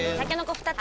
２つ！